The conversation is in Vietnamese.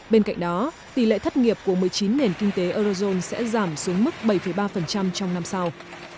bên cạnh đó tỷ lệ thất nghiệp của một mươi chín nền kinh tế eurozone sẽ giảm xuống mức bảy ba trong năm sau